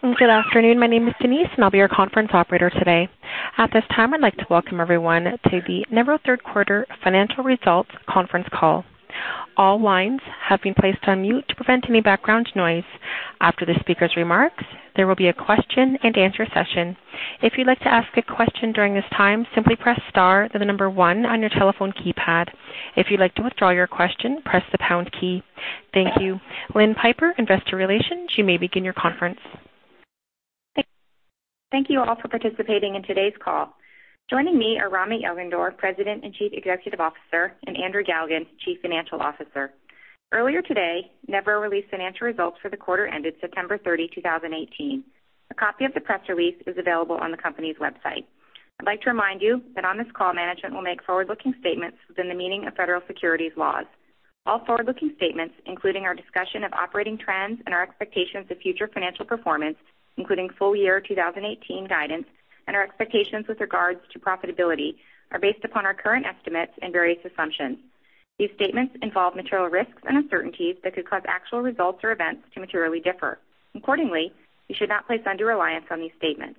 Good afternoon. My name is Denise, and I'll be your conference operator today. At this time, I'd like to welcome everyone to the Nevro Third Quarter Financial Results Conference Call. All lines have been placed on mute to prevent any background noise. After the speaker's remarks, there will be a question and answer session. If you'd like to ask a question during this time, simply press star, then the number one on your telephone keypad. If you'd like to withdraw your question, press the pound key. Thank you. Lynn Pieper, Investor Relations, you may begin your conference. Thank you all for participating in today's call. Joining me are Rami Elghandour, President and Chief Executive Officer, and Andrew Galligan, Chief Financial Officer. Earlier today, Nevro released financial results for the quarter ended September 30, 2018. A copy of the press release is available on the company's website. I'd like to remind you that on this call, management will make forward-looking statements within the meaning of federal securities laws. All forward-looking statements, including our discussion of operating trends and our expectations of future financial performance, including full year 2018 guidance, and our expectations with regards to profitability, are based upon our current estimates and various assumptions. These statements involve material risks and uncertainties that could cause actual results or events to materially differ. Accordingly, you should not place undue reliance on these statements.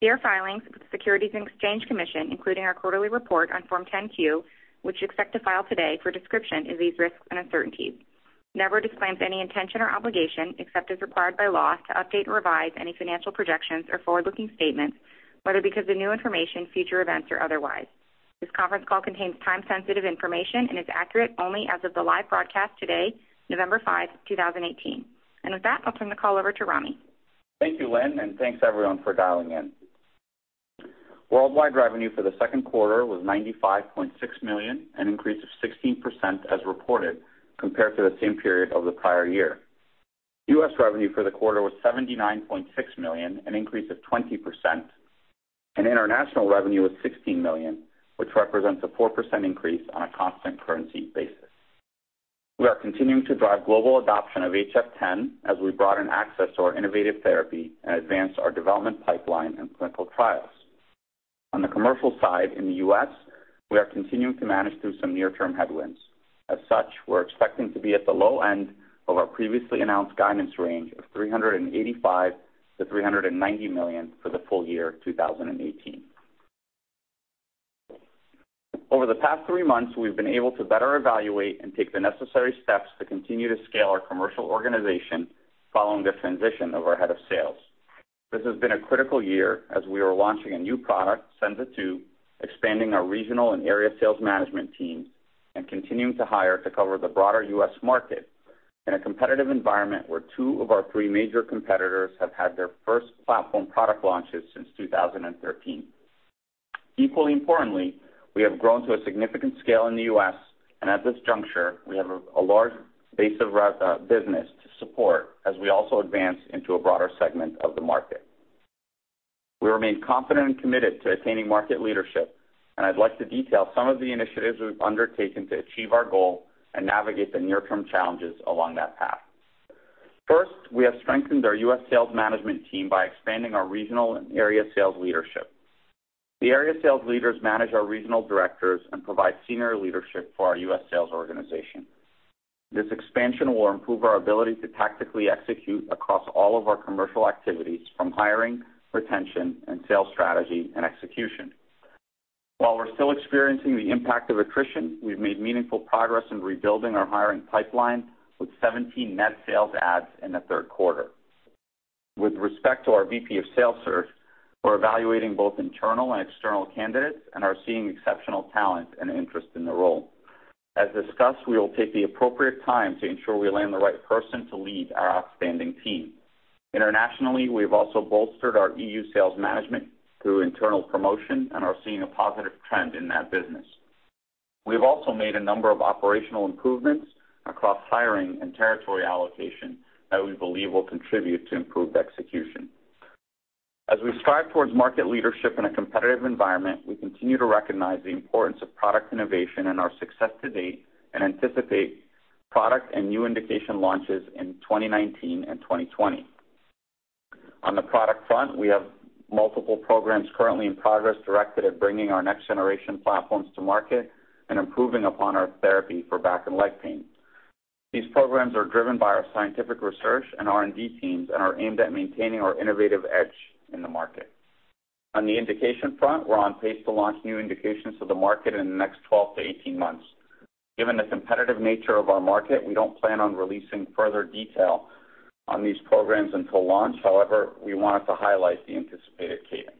See our filings with the Securities and Exchange Commission, including our quarterly report on Form 10-Q, which we expect to file today, for a description of these risks and uncertainties. Nevro disclaims any intention or obligation, except as required by law, to update or revise any financial projections or forward-looking statements, whether because of new information, future events, or otherwise. This conference call contains time-sensitive information and is accurate only as of the live broadcast today, November 5, 2018. With that, I'll turn the call over to Rami. Thank you, Lynn, and thanks, everyone, for dialing in. Worldwide revenue for the second quarter was $95.6 million, an increase of 16% as reported compared to the same period of the prior year. U.S. revenue for the quarter was $79.6 million, an increase of 20%, and international revenue was $16 million, which represents a 4% increase on a constant currency basis. We are continuing to drive global adoption of HF10 as we broaden access to our innovative therapy and advance our development pipeline and clinical trials. On the commercial side in the U.S., we are continuing to manage through some near-term headwinds. As such, we're expecting to be at the low end of our previously announced guidance range of $385 million-$390 million for the full year 2018. Over the past three months, we've been able to better evaluate and take the necessary steps to continue to scale our commercial organization following the transition of our head of sales. This has been a critical year as we are launching a new product, Senza II, expanding our regional and area sales management team, and continuing to hire to cover the broader U.S. market in a competitive environment where two of our three major competitors have had their first platform product launches since 2013. Equally importantly, we have grown to a significant scale in the U.S., and at this juncture, we have a large base of business to support as we also advance into a broader segment of the market. We remain confident and committed to attaining market leadership. I'd like to detail some of the initiatives we've undertaken to achieve our goal and navigate the near-term challenges along that path. First, we have strengthened our U.S. sales management team by expanding our regional and area sales leadership. The area sales leaders manage our regional directors and provide senior leadership for our U.S. sales organization. This expansion will improve our ability to tactically execute across all of our commercial activities from hiring, retention, and sales strategy and execution. While we're still experiencing the impact of attrition, we've made meaningful progress in rebuilding our hiring pipeline with 17 net sales adds in the third quarter. With respect to our VP of sales search, we're evaluating both internal and external candidates and are seeing exceptional talent and interest in the role. As discussed, we will take the appropriate time to ensure we land the right person to lead our outstanding team. Internationally, we've also bolstered our EU sales management through internal promotion and are seeing a positive trend in that business. We've also made a number of operational improvements across hiring and territory allocation that we believe will contribute to improved execution. As we strive towards market leadership in a competitive environment, we continue to recognize the importance of product innovation and our success to date and anticipate product and new indication launches in 2019 and 2020. On the product front, we have multiple programs currently in progress directed at bringing our next-generation platforms to market and improving upon our therapy for back and leg pain. These programs are driven by our scientific research and R&D teams and are aimed at maintaining our innovative edge in the market. On the indication front, we're on pace to launch new indications to the market in the next 12-18 months. Given the competitive nature of our market, we don't plan on releasing further detail on these programs until launch. We wanted to highlight the anticipated cadence.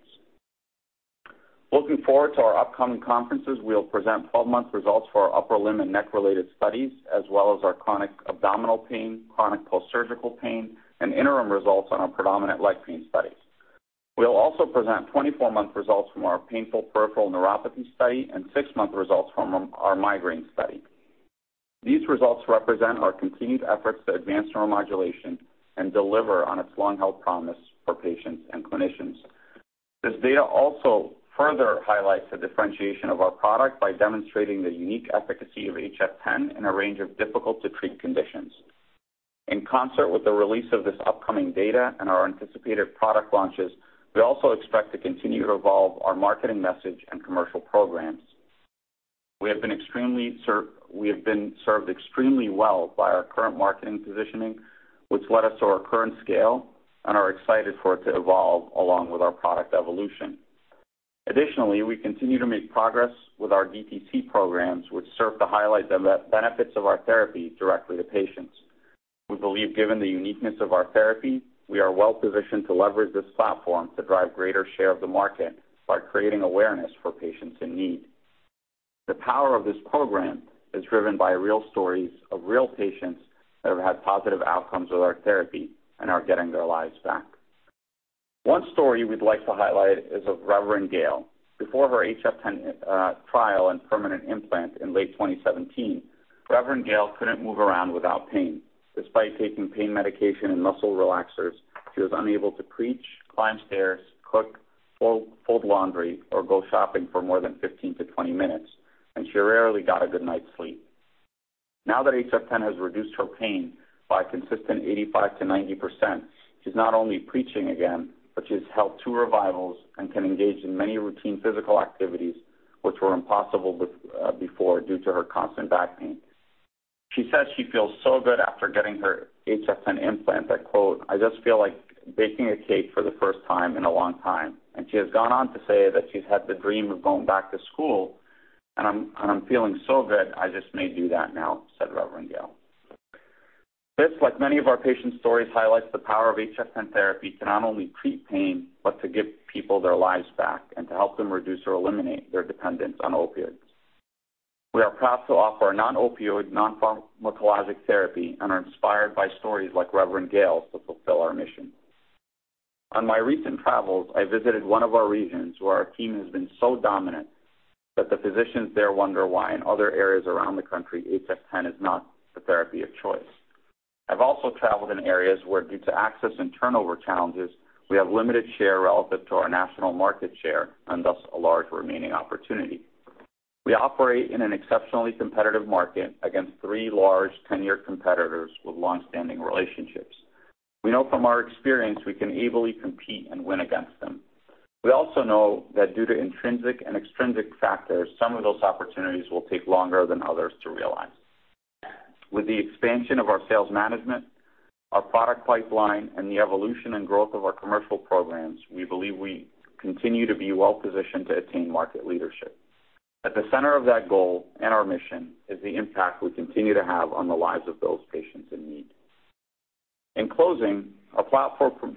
Looking forward to our upcoming conferences, we'll present 12-month results for our upper limb and neck-related studies, as well as our chronic abdominal pain, chronic postsurgical pain, and interim results on our predominant leg pain studies. We'll also present 24-month results from our painful peripheral neuropathy study and six-month results from our migraine study. These results represent our continued efforts to advance neuromodulation and deliver on its long health promise for patients and clinicians. This data also further highlights the differentiation of our product by demonstrating the unique efficacy of HF10 in a range of difficult-to-treat conditions. In concert with the release of this upcoming data and our anticipated product launches, we also expect to continue to evolve our marketing message and commercial programs. We have been served extremely well by our current marketing positioning, which led us to our current scale and are excited for it to evolve along with our product evolution. Additionally, we continue to make progress with our DTC programs, which serve to highlight the benefits of our therapy directly to patients. We believe, given the uniqueness of our therapy, we are well-positioned to leverage this platform to drive greater share of the market by creating awareness for patients in need. The power of this program is driven by real stories of real patients that have had positive outcomes with our therapy and are getting their lives back. One story we'd like to highlight is of Reverend Gail. Before her HF10 trial and permanent implant in late 2017, Reverend Gail couldn't move around without pain. Despite taking pain medication and muscle relaxers, she was unable to preach, climb stairs, cook, fold laundry, or go shopping for more than 15-20 minutes, and she rarely got a good night's sleep. Now that HF10 has reduced her pain by a consistent 85%-90%, she's not only preaching again, but she's held two revivals and can engage in many routine physical activities which were impossible before due to her constant back pain. She says she feels so good after getting her HF10 implant that, quote, "I just feel like baking a cake for the first time in a long time." She has gone on to say that she's had the dream of going back to school, "I'm feeling so good, I just may do that now," said Reverend Gail. This, like many of our patient stories, highlights the power of HF10 therapy to not only treat pain, but to give people their lives back and to help them reduce or eliminate their dependence on opioids. We are proud to offer a non-opioid, non-pharmacologic therapy and are inspired by stories like Reverend Gail's to fulfill our mission. On my recent travels, I visited one of our regions where our team has been so dominant that the physicians there wonder why in other areas around the country, HF10 is not the therapy of choice. I've also traveled in areas where, due to access and turnover challenges, we have limited share relative to our national market share and thus a large remaining opportunity. We operate in an exceptionally competitive market against three large tenured competitors with longstanding relationships. We know from our experience we can ably compete and win against them. We also know that due to intrinsic and extrinsic factors, some of those opportunities will take longer than others to realize. With the expansion of our sales management, our product pipeline, and the evolution and growth of our commercial programs, we believe we continue to be well positioned to attain market leadership. At the center of that goal and our mission is the impact we continue to have on the lives of those patients in need. In closing, our platform for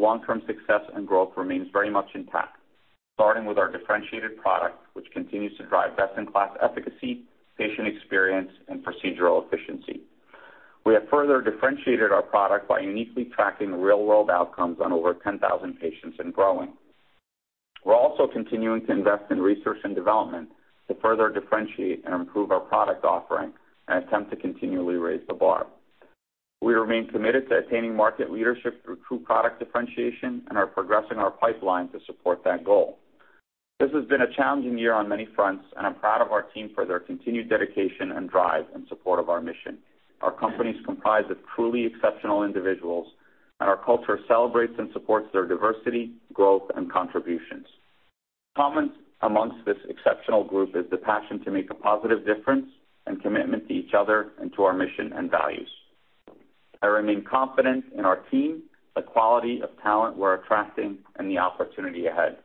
long-term success and growth remains very much intact. Starting with our differentiated product, which continues to drive best-in-class efficacy, patient experience, and procedural efficiency. We have further differentiated our product by uniquely tracking real-world outcomes on over 10,000 patients and growing. We're also continuing to invest in research and development to further differentiate and improve our product offering and attempt to continually raise the bar. We remain committed to attaining market leadership through true product differentiation and are progressing our pipeline to support that goal. This has been a challenging year on many fronts, and I'm proud of our team for their continued dedication and drive in support of our mission. Our company is comprised of truly exceptional individuals, and our culture celebrates and supports their diversity, growth, and contributions. Common amongst this exceptional group is the passion to make a positive difference and commitment to each other and to our mission and values. I remain confident in our team, the quality of talent we're attracting, and the opportunity ahead.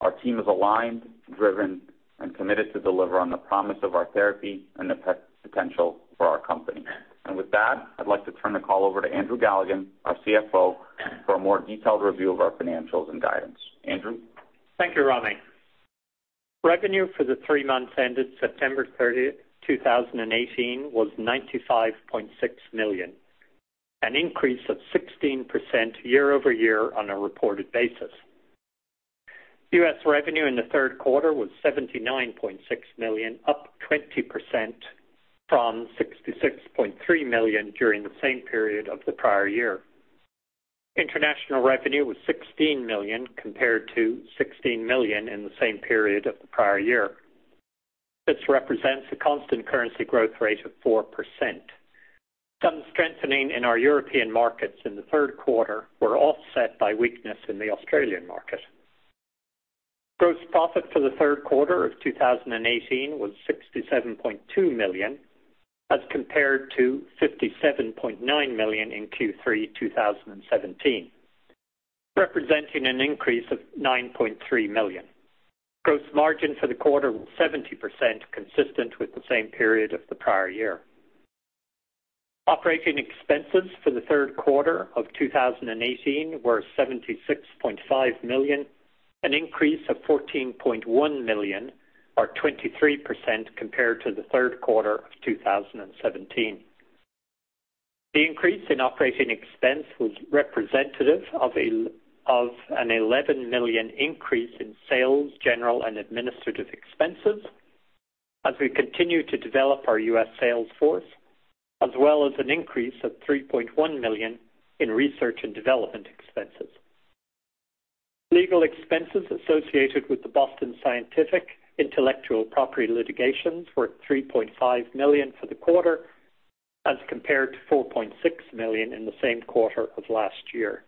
Our team is aligned, driven, and committed to deliver on the promise of our therapy and the potential for our company. With that, I'd like to turn the call over to Andrew Galligan, our CFO, for a more detailed review of our financials and guidance. Andrew? Thank you, Rami. Revenue for the three months ended September 30th, 2018 was $95.6 million, an increase of 16% year-over-year on a reported basis. U.S. revenue in the third quarter was $79.6 million, up 20% from $66.3 million during the same period of the prior year. International revenue was $16 million compared to $16 million in the same period of the prior year. This represents a constant currency growth rate of 4%. Some strengthening in our European markets in the third quarter were offset by weakness in the Australian market. Gross profit for the third quarter of 2018 was $67.2 million, as compared to $57.9 million in Q3 2017, representing an increase of $9.3 million. Gross margin for the quarter was 70%, consistent with the same period of the prior year. Operating expenses for the third quarter of 2018 were $76.5 million, an increase of $14.1 million or 23% compared to the third quarter of 2017. The increase in operating expense was representative of an $11 million increase in sales, general, and administrative expenses as we continue to develop our U.S. sales force, as well as an increase of $3.1 million in research and development expenses. Legal expenses associated with the Boston Scientific intellectual property litigations were $3.5 million for the quarter as compared to $4.6 million in the same quarter of last year.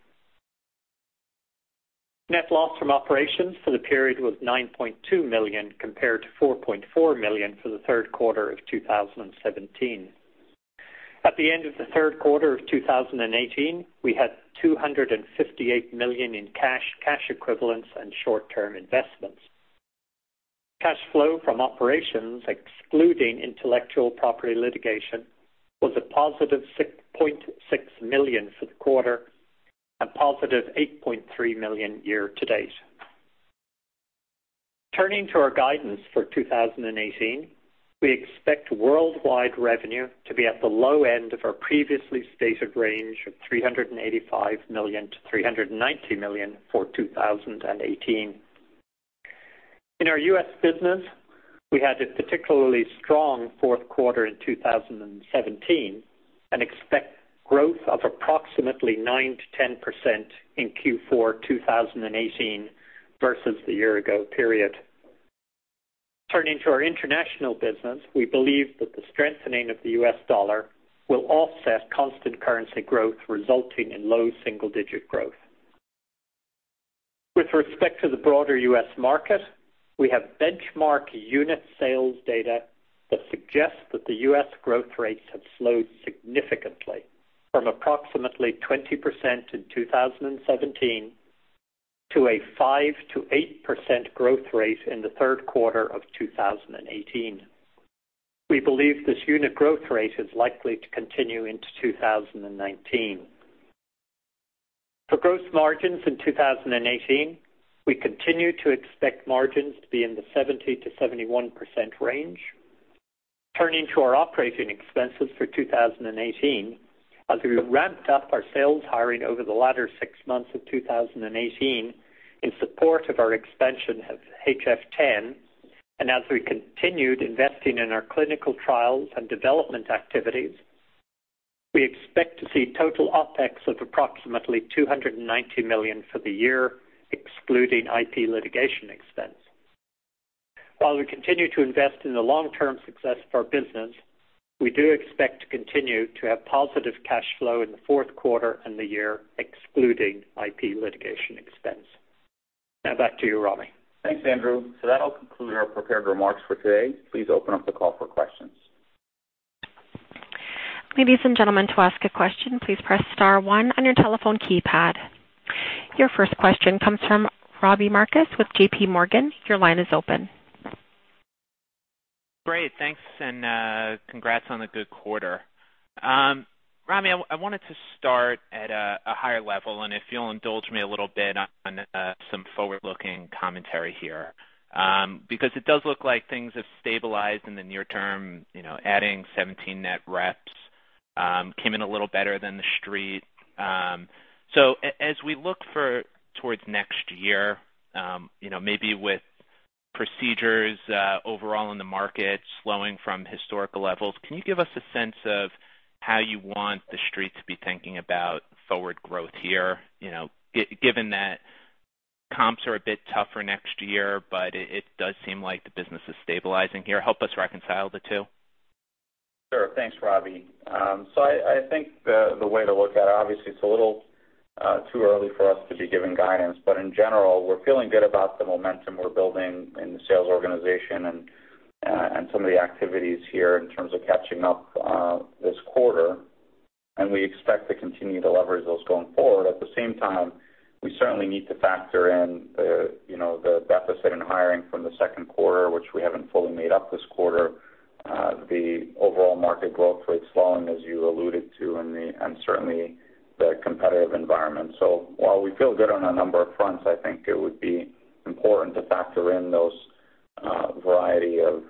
Net loss from operations for the period was $9.2 million compared to $4.4 million for the third quarter of 2017. At the end of the third quarter of 2018, we had $258 million in cash equivalents, and short-term investments. Cash flow from operations, excluding intellectual property litigation, was a positive $6.6 million for the quarter and positive $8.3 million year to date. Turning to our guidance for 2018, we expect worldwide revenue to be at the low end of our previously stated range of $385 million-$390 million for 2018. In our U.S. business, we had a particularly strong fourth quarter in 2017 and expect growth of approximately 9%-10% in Q4 2018 versus the year ago period. Turning to our international business, we believe that the strengthening of the U.S. dollar will offset constant currency growth, resulting in low single-digit growth. With respect to the broader U.S. market, we have benchmark unit sales data that suggests that the U.S. growth rates have slowed significantly from approximately 20% in 2017 to a 5%-8% growth rate in the third quarter of 2018. We believe this unit growth rate is likely to continue into 2019. For gross margins in 2018, we continue to expect margins to be in the 70%-71% range. Turning to our operating expenses for 2018, as we ramped up our sales hiring over the latter six months of 2018 in support of our expansion of HF10, as we continued investing in our clinical trials and development activities, we expect to see total OpEx of approximately $290 million for the year, excluding IP litigation expense. While we continue to invest in the long-term success of our business, we do expect to continue to have positive cash flow in the fourth quarter and the year, excluding IP litigation expense. Back to you, Rami. Thanks, Andrew. That'll conclude our prepared remarks for today. Please open up the call for questions. Ladies and gentlemen, to ask a question, please press *1 on your telephone keypad. Your first question comes from Robbie Marcus with J.P. Morgan. Your line is open. Great. Thanks, and congrats on a good quarter. Rami, I wanted to start at a higher level, and if you'll indulge me a little bit on some forward-looking commentary here. It does look like things have stabilized in the near term, adding 17 net reps, came in a little better than the street. As we look towards next year, maybe with procedures overall in the market slowing from historical levels, can you give us a sense of how you want the street to be thinking about forward growth here, given that comps are a bit tougher next year, but it does seem like the business is stabilizing here? Help us reconcile the two. Sure. Thanks, Robbie. I think the way to look at it, obviously, it's a little too early for us to be giving guidance. In general, we're feeling good about the momentum we're building in the sales organization and some of the activities here in terms of catching up this quarter, and we expect to continue to leverage those going forward. At the same time, we certainly need to factor in the deficit in hiring from the second quarter, which we haven't fully made up this quarter, the overall market growth rate slowing, as you alluded to, and certainly the competitive environment. While we feel good on a number of fronts, I think it would be important to factor in those variety of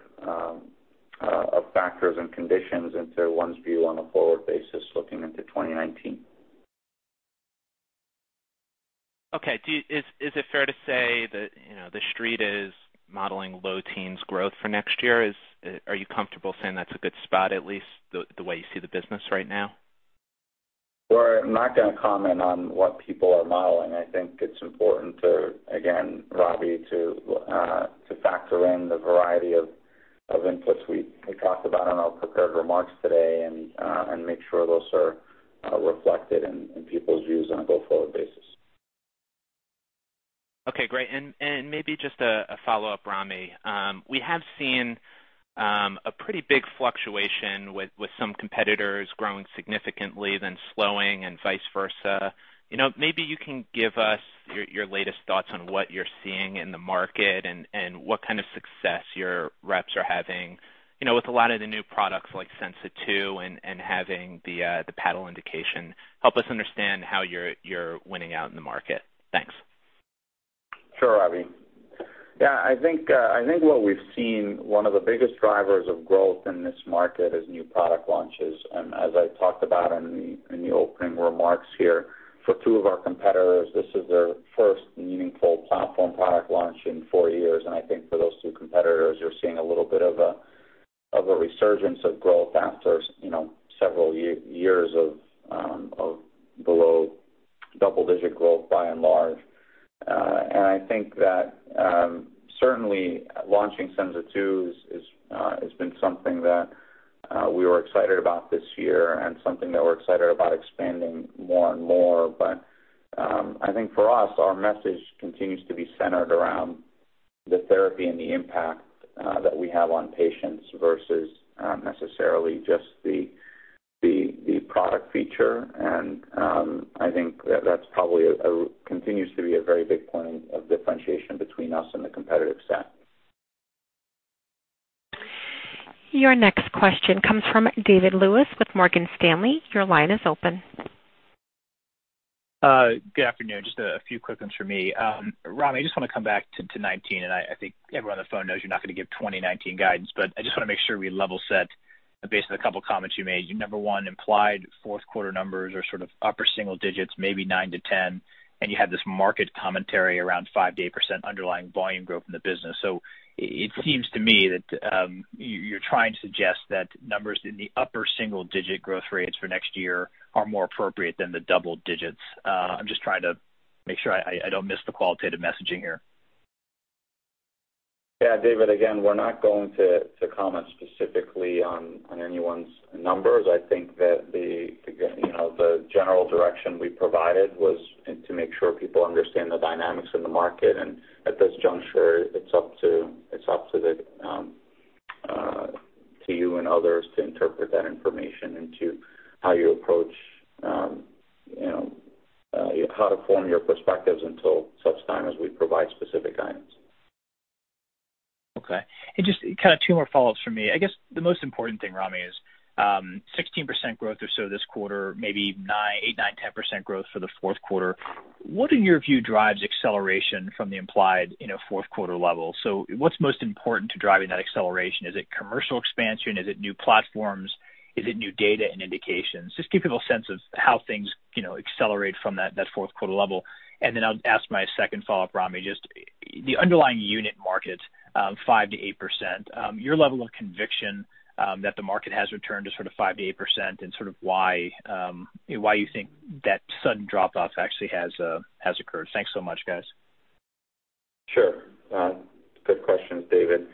factors and conditions into one's view on a forward basis looking into 2019. Okay. Is it fair to say that the street is modeling low teens growth for next year? Are you comfortable saying that's a good spot, at least the way you see the business right now? We're not going to comment on what people are modeling. I think it's important to, again, Robbie, to factor in the variety of inputs we talked about in our prepared remarks today and make sure those are reflected in people's views on a go-forward basis. Okay, great. Maybe just a follow-up, Rami. We have seen a pretty big fluctuation with some competitors growing significantly, then slowing and vice versa. Maybe you can give us your latest thoughts on what you're seeing in the market and what kind of success your reps are having. With a lot of the new products like Senza II and having the paddle indication, help us understand how you're winning out in the market. Thanks. Sure, Robbie. Yeah, I think what we've seen one of the biggest drivers of growth in this market is new product launches. As I talked about in the opening remarks here, for two of our competitors, this is their first meaningful platform product launch in four years. I think for those two competitors, you're seeing a little bit of a resurgence of growth after several years of below double-digit growth by and large. I think that certainly launching Senza II has been something that we were excited about this year and something that we're excited about expanding more and more. I think for us, our message continues to be centered around the therapy and the impact that we have on patients versus necessarily just the product feature. I think that continues to be a very big point of differentiation between us and the competitive set. Your next question comes from David Lewis with Morgan Stanley. Your line is open. Good afternoon. Just a few quick ones from me. Rami, I just want to come back to 2019. I think everyone on the phone knows you're not going to give 2019 guidance, I just want to make sure we level set based on a couple comments you made. You, number one, implied fourth quarter numbers are sort of upper single digits, maybe nine to 10, you have this market commentary around 5%-8% underlying volume growth in the business. It seems to me that you're trying to suggest that numbers in the upper single-digit growth rates for next year are more appropriate than the double digits. I'm just trying to make sure I don't miss the qualitative messaging here. Yeah, David, again, we're not going to comment specifically on anyone's numbers. I think that the general direction we provided was to make sure people understand the dynamics in the market. At this juncture, it's up to you and others to interpret that information into how you approach and how to form your perspectives until such time as we provide specific guidance. Okay. Just two more follow-ups from me. I guess the most important thing, Rami, is 16% growth or so this quarter, maybe 8%, 9%, 10% growth for the fourth quarter. What in your view drives acceleration from the implied fourth quarter level? What's most important to driving that acceleration? Is it commercial expansion? Is it new platforms? Is it new data and indications? Just give people a sense of how things accelerate from that fourth quarter level. Then I'll ask my second follow-up, Rami, just the underlying unit market, 5%-8%, your level of conviction that the market has returned to sort of 5%-8% and sort of why you think that sudden drop-off actually has occurred. Thanks so much, guys. Sure. Good questions, David.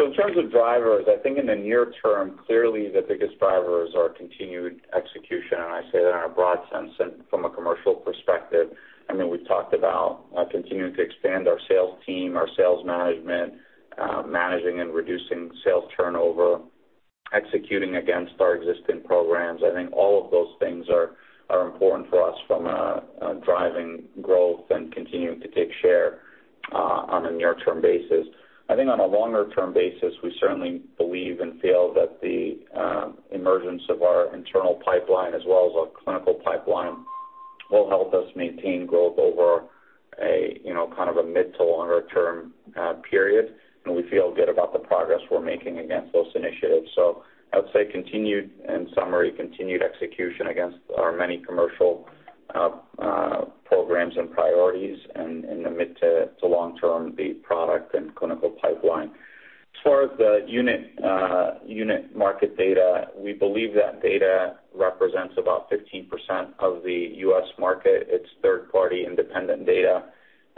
In terms of drivers, I think in the near term, clearly the biggest drivers are continued execution, and I say that in a broad sense and from a commercial perspective. We've talked about continuing to expand our sales team, our sales management, managing and reducing sales turnover, executing against our existing programs. I think all of those things are important for us from a driving growth and continuing to take share on a near-term basis. I think on a longer-term basis, we certainly believe and feel that the emergence of our internal pipeline, as well as our clinical pipeline, will help us maintain growth over a mid to longer-term period. We feel good about the progress we're making against those initiatives. I would say in summary, continued execution against our many commercial programs and priorities in the mid to long term, the product and clinical pipeline. As far as the unit market data, we believe that data represents about 15% of the U.S. market. It's third-party independent data.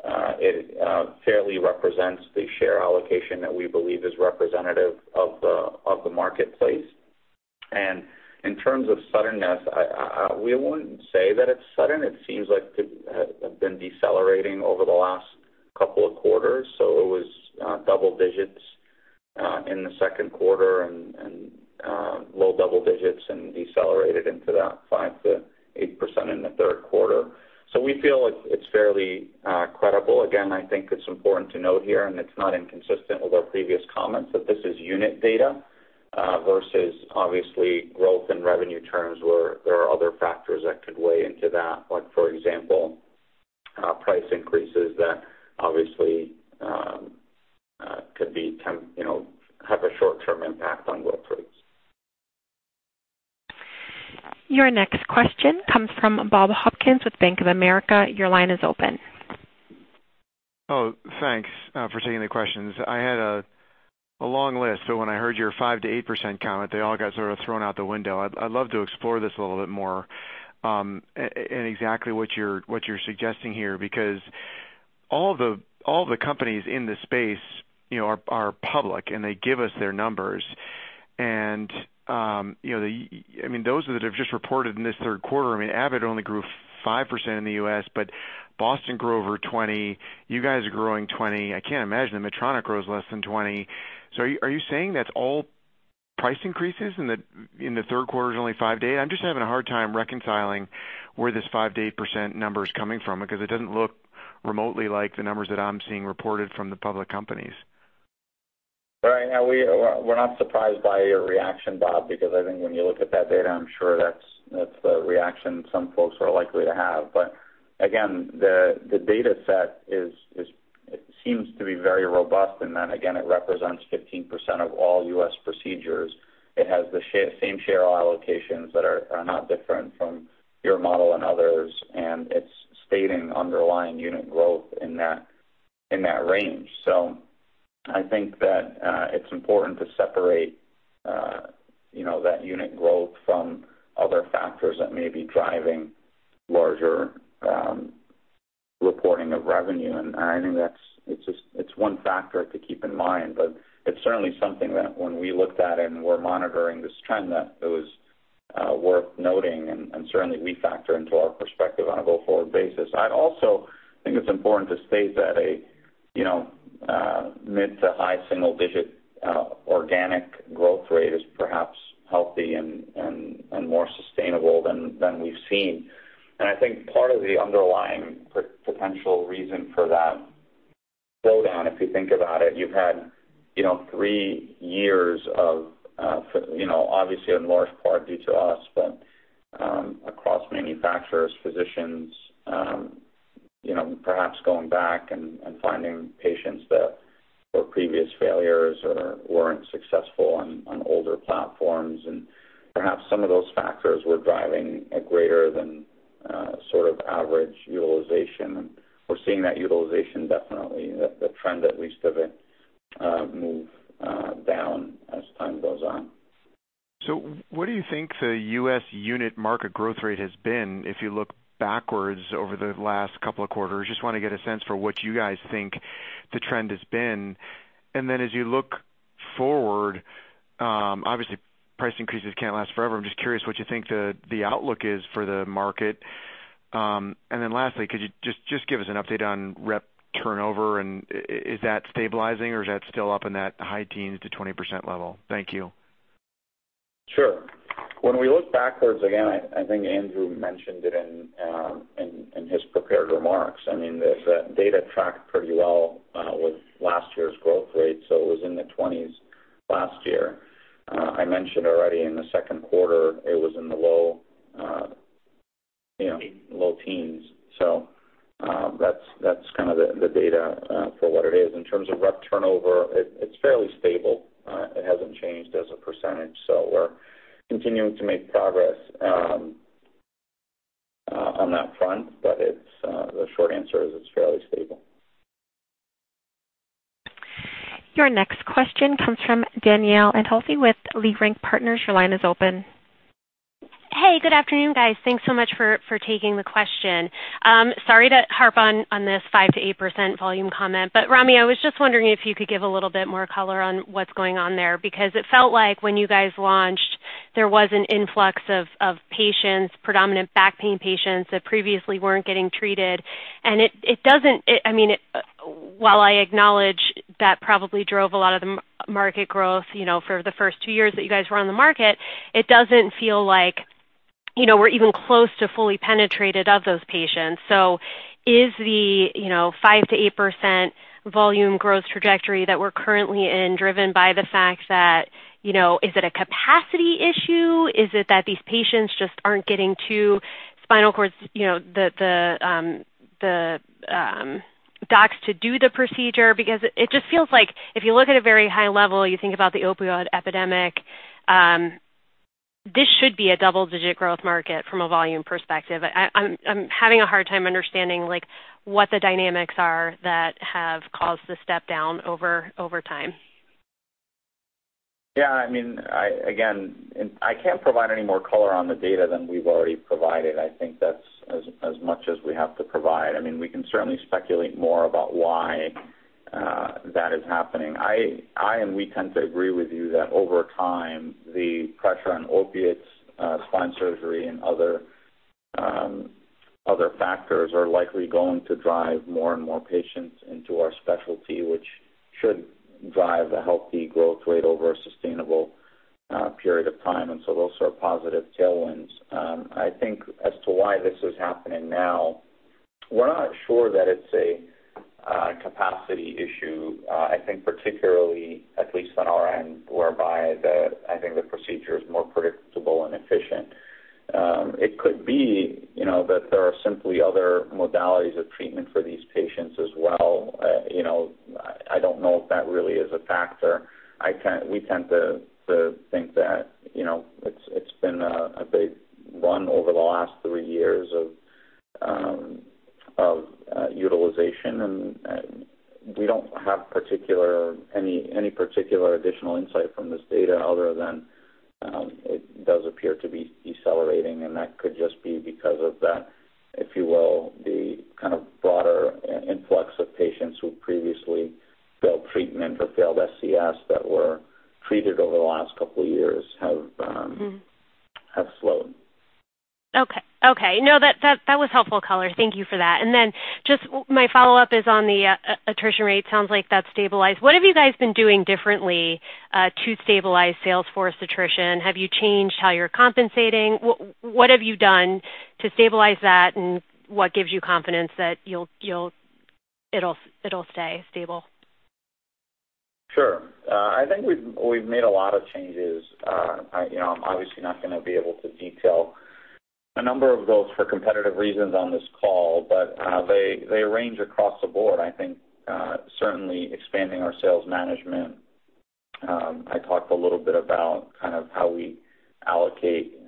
It fairly represents the share allocation that we believe is representative of the marketplace. In terms of suddenness, we wouldn't say that it's sudden. It seems like it has been decelerating over the last couple of quarters. It was double digits in the second quarter and low double digits and decelerated into that 5%-8% in the third quarter. We feel it's fairly credible. I think it's important to note here, and it's not inconsistent with our previous comments, that this is unit data versus obviously growth in revenue terms where there are other factors that could weigh into that. Like, for example, price increases that obviously could have a short-term impact on growth rates. Your next question comes from Bob Hopkins with Bank of America. Your line is open. Thanks for taking the questions. I had a long list. When I heard your 5%-8% comment, they all got sort of thrown out the window. I'd love to explore this a little bit more and exactly what you're suggesting here, because all the companies in this space are public, and they give us their numbers. Those that have just reported in this third quarter, Abbott only grew 5% in the U.S., but Boston grew over 20. You guys are growing 20. I can't imagine that Medtronic grows less than 20. Are you saying that's all price increases and that in the third quarter is only 5% data? I'm just having a hard time reconciling where this 5%-8% number is coming from because it doesn't look remotely like the numbers that I'm seeing reported from the public companies. Right. We're not surprised by your reaction, Bob, because I think when you look at that data, I'm sure that's the reaction some folks are likely to have. Again, the data set seems to be very robust, and again, it represents 15% of all U.S. procedures. It has the same share allocations that are not different from your model and others, and it's stating underlying unit growth in that range. I think that it's important to separate that unit growth from other factors that may be driving larger reporting of revenue. I think it's one factor to keep in mind, but it's certainly something that when we looked at and were monitoring this trend, that it was worth noting and certainly we factor into our perspective on a go-forward basis. I'd also think it's important to state that a mid to high single-digit organic growth rate is perhaps healthy and more sustainable than we've seen. I think part of the underlying potential reason for that slowdown, if you think about it, you've had three years of, obviously in large part due to us, but across manufacturers, physicians, perhaps going back and finding patients that were previous failures or weren't successful on older platforms and perhaps some of those factors were driving a greater than average utilization. We're seeing that utilization definitely, the trend at least of it, move down as time goes on. What do you think the U.S. unit market growth rate has been if you look backwards over the last couple of quarters? Just want to get a sense for what you guys think the trend has been. As you look forward, obviously price increases can't last forever. I'm just curious what you think the outlook is for the market. Lastly, could you just give us an update on rep turnover, and is that stabilizing or is that still up in that high teens to 20% level? Thank you. Sure. When we look backwards, again, I think Andrew mentioned it in his prepared remarks. The data tracked pretty well with last year's growth rate, so it was in the 20s last year. I mentioned already in the second quarter it was in the low teens. That's kind of the data for what it is. In terms of rep turnover, it's fairly stable. It hasn't changed as a percentage, so we're continuing to make progress on that front. The short answer is it's fairly stable. Your next question comes from Danielle Antalffy with Leerink Partners. Your line is open. Hey, good afternoon, guys. Thanks so much for taking the question. Sorry to harp on this 5%-8% volume comment, Rami, I was just wondering if you could give a little bit more color on what's going on there, because it felt like when you guys launched, there was an influx of patients, predominant back pain patients, that previously weren't getting treated. While I acknowledge that probably drove a lot of the market growth for the first two years that you guys were on the market, it doesn't feel like we're even close to fully penetrated of those patients. Is the 5%-8% volume growth trajectory that we're currently in driven by the fact that, is it a capacity issue? Is it that these patients just aren't getting to docs to do the procedure? It just feels like if you look at a very high level, you think about the opioid epidemic, this should be a double-digit growth market from a volume perspective. I'm having a hard time understanding what the dynamics are that have caused the step down over time. Yeah. Again, I can't provide any more color on the data than we've already provided. I think that's as much as we have to provide. We can certainly speculate more about why that is happening. I and we tend to agree with you that over time, the pressure on opiates, spine surgery, and other factors are likely going to drive more and more patients into our specialty, which should drive a healthy growth rate over a sustainable period of time. Those are positive tailwinds. I think as to why this is happening now, we're not sure that it's a capacity issue. I think particularly, at least on our end, whereby I think the procedure is more predictable and efficient. It could be that there are simply other modalities of treatment for these patients as well. I don't know if that really is a factor. We tend to think that it's been a big run over the last three years of utilization, we don't have any particular additional insight from this data other than it does appear to be decelerating, that could just be because of that, if you will, the kind of broader influx of patients who previously failed treatment or failed SCS that were treated over the last couple of years have slowed. Okay. No, that was helpful color. Thank you for that. Just my follow-up is on the attrition rate. Sounds like that's stabilized. What have you guys been doing differently to stabilize sales force attrition? Have you changed how you're compensating? What have you done to stabilize that, and what gives you confidence that it'll stay stable? Sure. I think we've made a lot of changes. I'm obviously not going to be able to detail a number of those for competitive reasons on this call, but they range across the board. I think certainly expanding our sales management. I talked a little bit about kind of how we allocate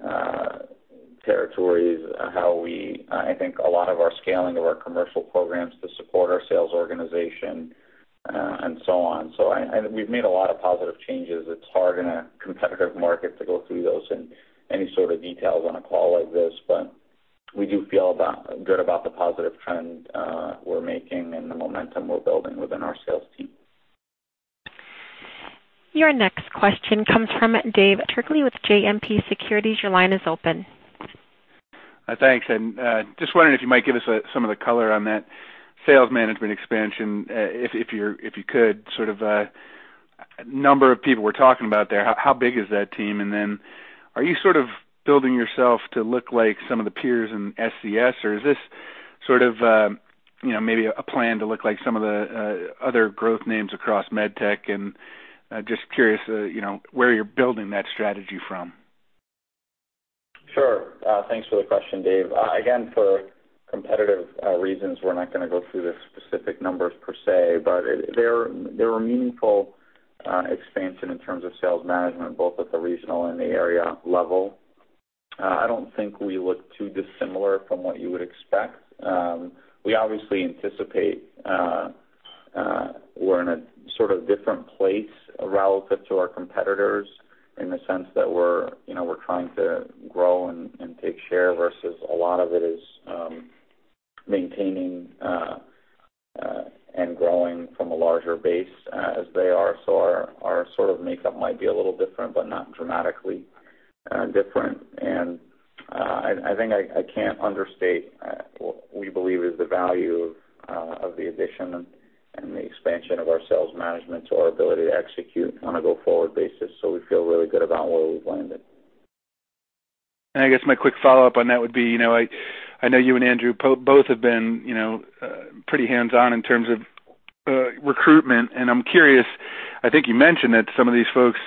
territories, I think a lot of our scaling of our commercial programs to support our sales organization, and so on. We've made a lot of positive changes. It's hard in a competitive market to go through those in any sort of details on a call like this, but we do feel good about the positive trend we're making and the momentum we're building within our sales team. Your next question comes from David Turkaly with JMP Securities. Your line is open. Thanks. Just wondering if you might give us some of the color on that sales management expansion, if you could. The number of people we're talking about there, how big is that team? Are you building yourself to look like some of the peers in SCS, or is this maybe a plan to look like some of the other growth names across med tech? Just curious where you're building that strategy from. Sure. Thanks for the question, Dave. Again, for competitive reasons, we're not going to go through the specific numbers per se, but there are meaningful expansion in terms of sales management, both at the regional and the area level. I don't think we look too dissimilar from what you would expect. We obviously anticipate we're in a sort of different place relative to our competitors in the sense that we're trying to grow and take share versus a lot of it is maintaining and growing from a larger base as they are. Our sort of makeup might be a little different, but not dramatically different. I think I can't understate what we believe is the value of the addition and the expansion of our sales management to our ability to execute on a go-forward basis, so we feel really good about where we've landed. I guess my quick follow-up on that would be, I know you and Andrew both have been pretty hands-on in terms of recruitment, and I'm curious, I think you mentioned that some of these folks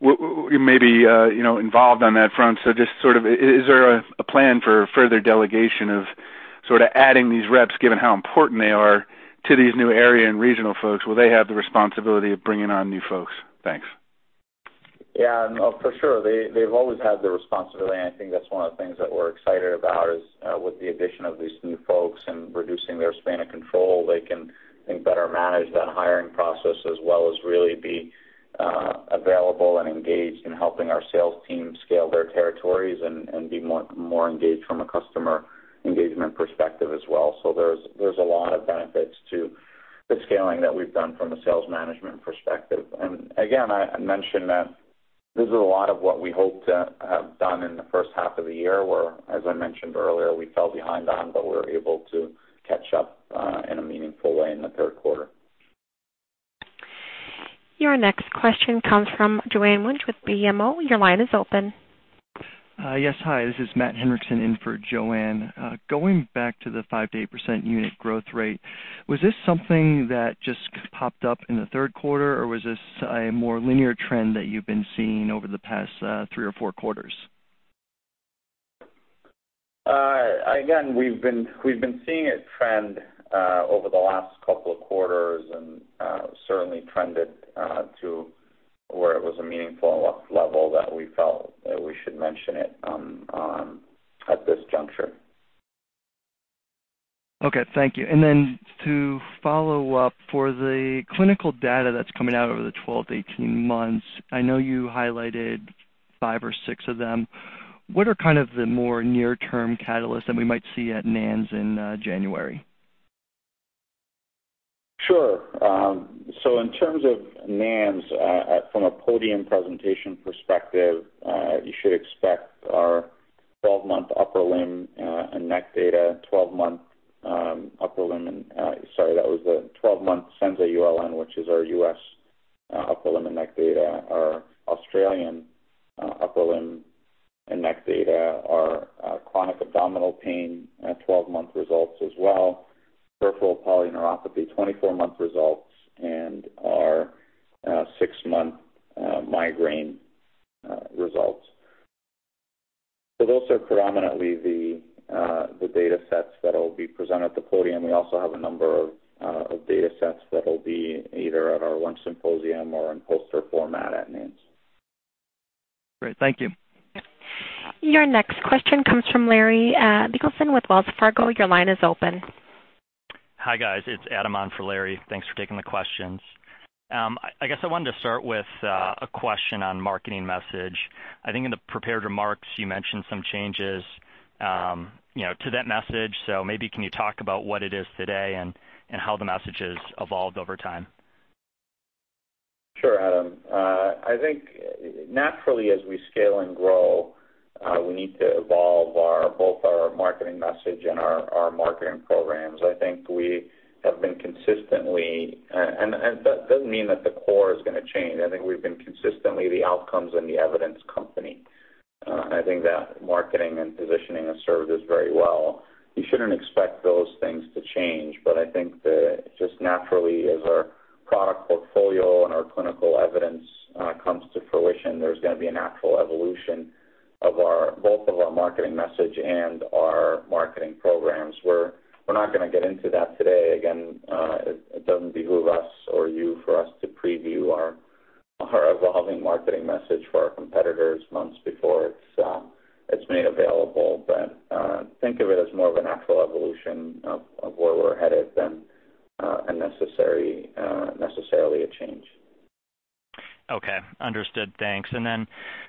may be involved on that front. Just sort of, is there a plan for further delegation of sort of adding these reps, given how important they are to these new area and regional folks? Will they have the responsibility of bringing on new folks? Thanks. Yeah, for sure. They've always had the responsibility, and I think that's one of the things that we're excited about is with the addition of these new folks and reducing their span of control, they can think better manage that hiring process as well as really be available and engaged in helping our sales team scale their territories and be more engaged from a customer engagement perspective as well. There's a lot of benefits to the scaling that we've done from a sales management perspective. Again, I mentioned that this is a lot of what we hope to have done in the first half of the year, where, as I mentioned earlier, we fell behind on, but we were able to catch up in a meaningful way in the third quarter. Your next question comes from Joanne Wuensch with BMO. Your line is open. Yes, hi, this is Matthew Henriksson in for Joanne. Going back to the 5%-8% unit growth rate, was this something that just popped up in the third quarter, or was this a more linear trend that you've been seeing over the past three or four quarters? We've been seeing it trend over the last couple of quarters and certainly trended to where it was a meaningful level that we felt that we should mention it at this juncture. Okay, thank you. To follow up, for the clinical data that's coming out over the 12-18 months, I know you highlighted five or six of them. What are kind of the more near-term catalysts that we might see at NANS in January? Sure. In terms of NANS, from a podium presentation perspective, you should expect our 12-month upper limb and neck data, sorry, that was the 12-month Senza ULN, which is our U.S. upper limb and neck data, our Australian upper limb and neck data, our chronic abdominal pain at 12-month results as well, peripheral polyneuropathy 24-month results, and our six-month migraine results. Those are predominantly the data sets that'll be presented at the podium. We also have a number of data sets that'll be either at our lunch symposium or in poster format at NANS. Great. Thank you. Your next question comes from Larry Biegelsen with Wells Fargo. Your line is open. Hi, guys. It's Adam on for Larry. Thanks for taking the questions. I guess I wanted to start with a question on marketing message. I think in the prepared remarks you mentioned some changes to that message. Maybe can you talk about what it is today and how the message has evolved over time? Sure, Adam. I think naturally as we scale and grow, we need to evolve both our marketing message and our marketing programs. I think we have been consistently, and that doesn't mean that the core is going to change. I think we've been consistently the outcomes and the evidence company. I think that marketing and positioning has served us very well. You shouldn't expect those things to change, but I think that just naturally as our product portfolio and our clinical evidence comes to fruition, there's going to be a natural evolution of both our marketing message and our marketing programs. We're not going to get into that today. Again, it doesn't behoove us or you for us to preview our evolving marketing message for our competitors months before it's made available. Think of it as more of a natural evolution of where we're headed than necessarily a change. Okay, understood. Thanks.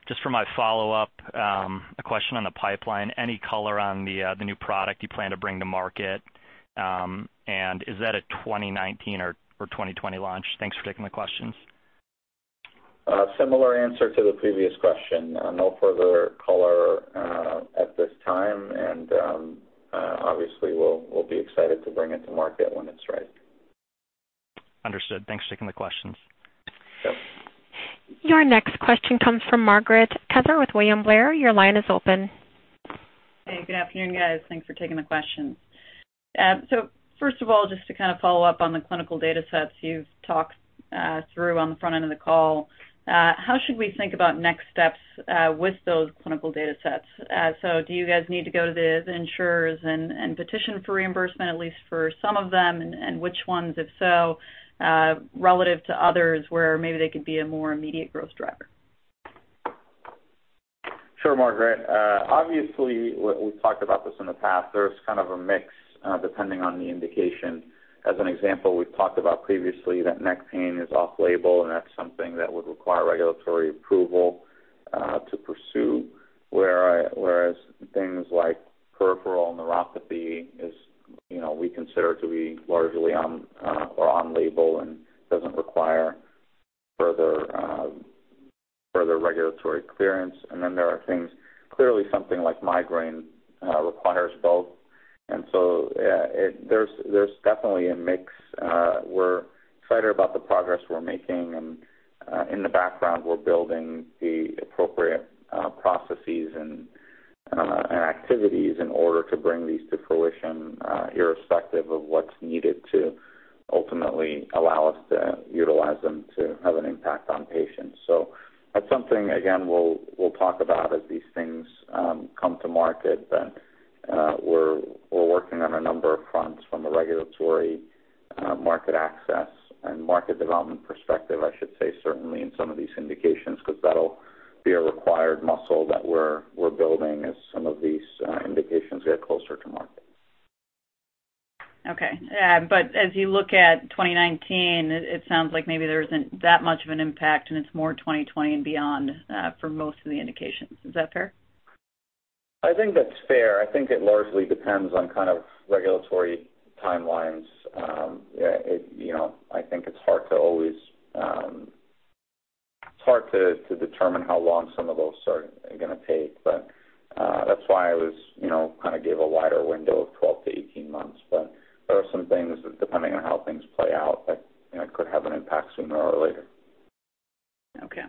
Just for my follow-up, a question on the pipeline. Any color on the new product you plan to bring to market, and is that a 2019 or 2020 launch? Thanks for taking the questions. Similar answer to the previous question. No further color at this time, and obviously, we'll be excited to bring it to market when it's right. Understood. Thanks for taking the questions. Yep. Your next question comes from Margaret Kaczor with William Blair. Your line is open. Hey, good afternoon, guys. Thanks for taking the questions. First of all, just to follow up on the clinical data sets you've talked through on the front end of the call. How should we think about next steps with those clinical data sets? Do you guys need to go to the insurers and petition for reimbursement, at least for some of them? Which ones, if so, relative to others, where maybe they could be a more immediate growth driver? Sure, Margaret. Obviously, we've talked about this in the past. There's a mix depending on the indication. As an example, we've talked about previously that neck pain is off-label, and that's something that would require regulatory approval to pursue, whereas things like peripheral neuropathy, we consider to be largely on or on-label and doesn't require further regulatory clearance. Then there are things, clearly something like migraine requires both. There's definitely a mix. We're excited about the progress we're making, and in the background, we're building the appropriate processes and activities in order to bring these to fruition, irrespective of what's needed to ultimately allow us to utilize them to have an impact on patients. That's something, again, we'll talk about as these things come to market. We're working on a number of fronts from a regulatory market access and market development perspective, I should say, certainly in some of these indications, because that'll be a required muscle that we're building as some of these indications get closer to market. Okay. As you look at 2019, it sounds like maybe there isn't that much of an impact, and it's more 2020 and beyond for most of the indications. Is that fair? I think that's fair. I think it largely depends on regulatory timelines. I think it's hard to determine how long some of those are going to take, but that's why I gave a wider window of 12 to 18 months. There are some things, depending on how things play out, that could have an impact sooner or later. Okay.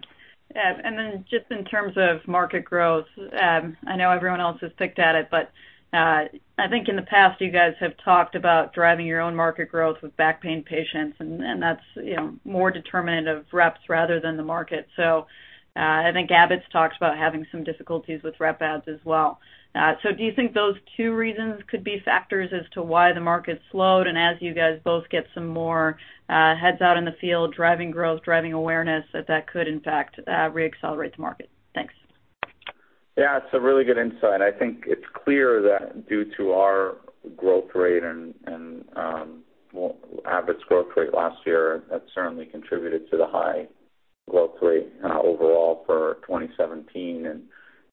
Just in terms of market growth, I know everyone else has picked at it, but I think in the past, you guys have talked about driving your own market growth with back pain patients, and that's more determinant of reps rather than the market. I think Abbott's talked about having some difficulties with rep adds as well. Do you think those two reasons could be factors as to why the market slowed? As you guys both get some more heads out in the field, driving growth, driving awareness, that could, in fact, re-accelerate the market? Thanks. Yeah, it's a really good insight. I think it's clear that due to our growth rate and Abbott's growth rate last year, that certainly contributed to the high growth rate overall for 2017.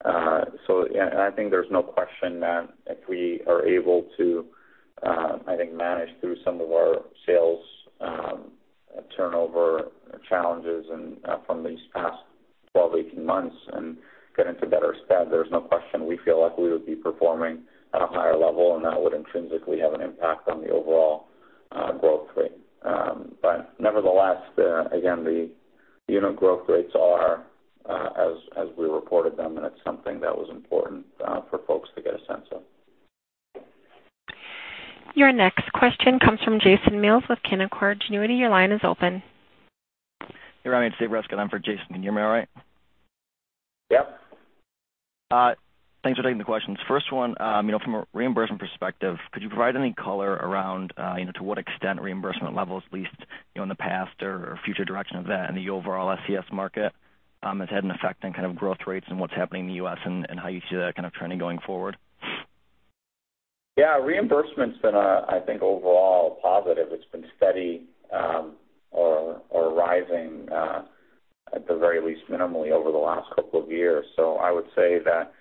I think there's no question that if we are able to manage through some of our sales turnover challenges from these past 12, 18 months and get into better stead, there's no question we feel like we would be performing at a higher level, and that would intrinsically have an impact on the overall growth rate. Nevertheless, again, the unit growth rates are as we reported them, and it's something that was important for folks to get a sense of. Your next question comes from Jason Mills with Canaccord Genuity. Your line is open. Hey, RamI. It's Dave Wresch again for Jason. Can you hear me all right? Yep. Thanks for taking the questions. First one, from a reimbursement perspective, could you provide any color around to what extent reimbursement levels, at least in the past or future direction of that in the overall SCS market, has had an effect on growth rates and what's happening in the U.S. and how you see that trending going forward? Yeah. Reimbursement's been, I think, overall positive. It's been steady or rising at the very least minimally over the last couple of years. I would say that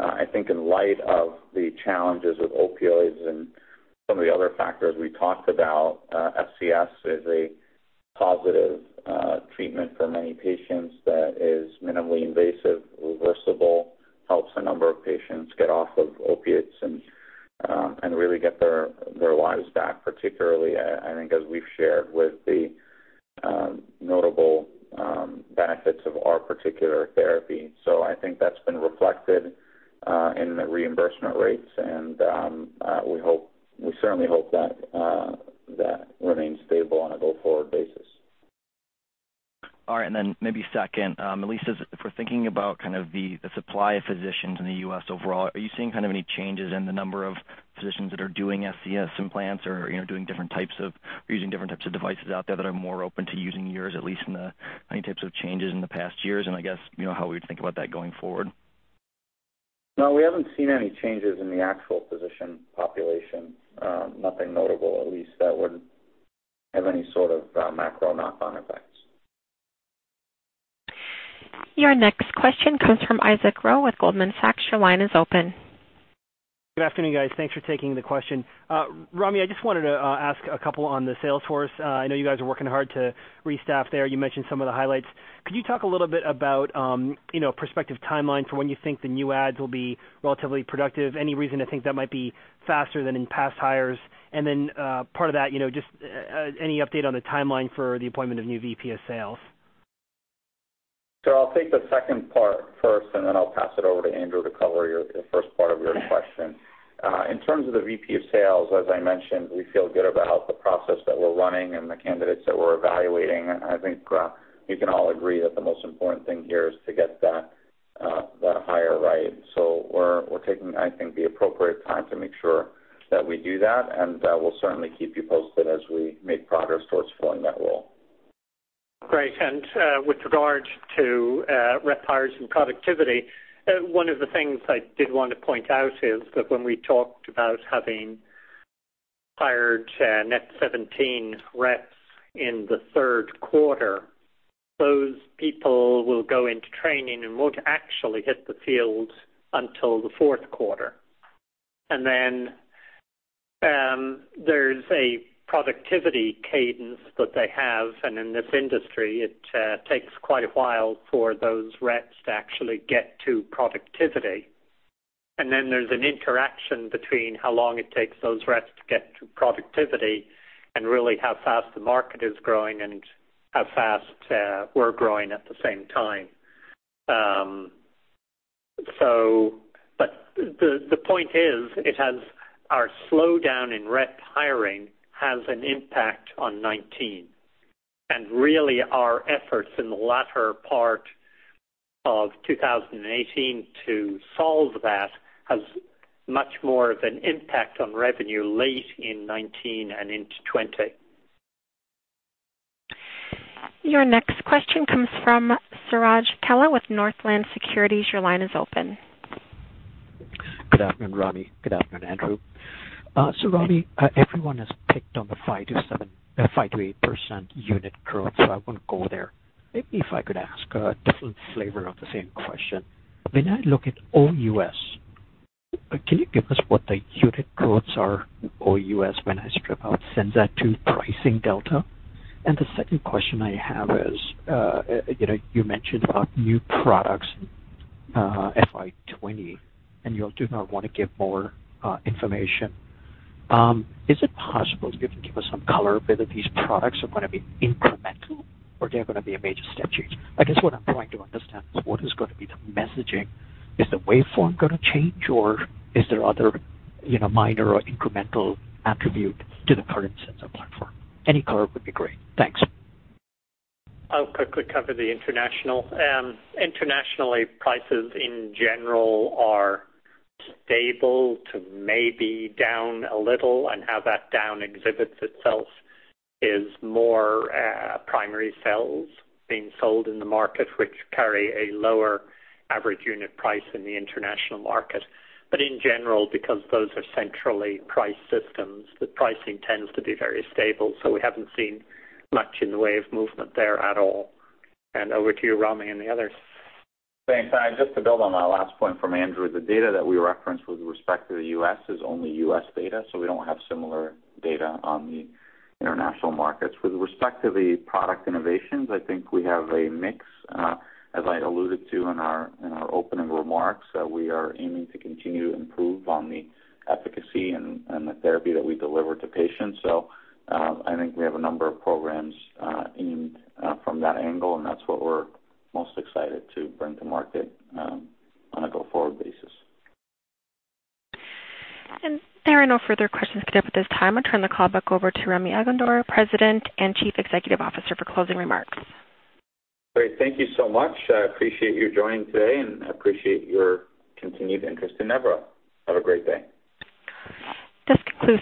I think in light of the challenges with opioids and some of the other factors we talked about, SCS is a positive treatment for many patients that is minimally invasive, reversible, helps a number of patients get off of opiates and really get their lives back, particularly, I think as we've shared, with the notable benefits of our particular therapy. I think that's been reflected in the reimbursement rates, and we certainly hope that remains stable on a go-forward basis. All right. Maybe second, at least if we're thinking about the supply of physicians in the U.S. overall, are you seeing any changes in the number of physicians that are doing SCS implants or using different types of devices out there that are more open to using yours, at least any types of changes in the past years? I guess, how we would think about that going forward? No, we haven't seen any changes in the actual physician population. Nothing notable, at least, that would have any sort of macro knock-on effects. Your next question comes from Isaac Ro with Goldman Sachs. Your line is open. Good afternoon, guys. Thanks for taking the question. Rami, I just wanted to ask a couple on the sales force. I know you guys are working hard to restaff there. You mentioned some of the highlights. Could you talk a little bit about prospective timeline for when you think the new ads will be relatively productive? Any reason to think that might be faster than in past hires? Part of that, just any update on the timeline for the appointment of new VP of Sales? I'll take the second part first, and then I'll pass it over to Andrew to cover your first part of your question. In terms of the VP of Sales, as I mentioned, we feel good about the process that we're running and the candidates that we're evaluating. I think we can all agree that the most important thing here is to get that hire right. We're taking, I think, the appropriate time to make sure that we do that, and we'll certainly keep you posted as we make progress towards filling that role. With regard to rep hires and productivity, one of the things I did want to point out is that when we talked about having hired net 17 reps in the third quarter, those people will go into training and won't actually hit the field until the fourth quarter. Then there's a productivity cadence that they have, and in this industry, it takes quite a while for those reps to actually get to productivity. Then there's an interaction between how long it takes those reps to get to productivity and really how fast the market is growing and how fast we're growing at the same time. The point is, our slowdown in rep hiring has an impact on 2019. Really our efforts in the latter part of 2018 to solve that has much more of an impact on revenue late in 2019 and into 2020. Your next question comes from Suraj Kalia with Northland Securities. Your line is open. Good afternoon, Rami. Good afternoon, Andrew. Rami, everyone has picked on the five to 8% unit growth, so I won't go there. Maybe if I could ask a different flavor of the same question. When I look at all U.S., can you give us what the unit growths are all U.S. when I strip out Senza to pricing delta? The second question I have is, you mentioned about new products in FY 2020, and you do not want to give more information. Is it possible you can give us some color whether these products are going to be incremental or they're going to be a major step change? I guess what I'm trying to understand is what is going to be the messaging. Is the waveform going to change, or is there other minor or incremental attribute to the current Senza platform? Any color would be great. Thanks. I'll quickly cover the international. Internationally, prices in general are stable to maybe down a little, and how that down exhibits itself is more primary sales being sold in the market, which carry a lower average unit price in the international market. In general, because those are centrally priced systems, the pricing tends to be very stable, so we haven't seen much in the way of movement there at all. Over to you, Rami, and the others. Thanks. Just to build on that last point from Andrew, the data that we referenced with respect to the U.S. is only U.S. data, we don't have similar data on the international markets. With respect to the product innovations, I think we have a mix. As I alluded to in our opening remarks, we are aiming to continue to improve on the efficacy and the therapy that we deliver to patients. I think we have a number of programs aimed from that angle, and that's what we're most excited to bring to market on a go-forward basis. There are no further questions queued up at this time. I'll turn the call back over to Rami Elghandour, President and Chief Executive Officer, for closing remarks. Great. Thank you so much. I appreciate you joining today, and I appreciate your continued interest in Nevro. Have a great day. This concludes